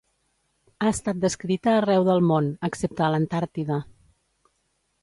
Ha estat descrita arreu del món, excepte a l'Antàrtida.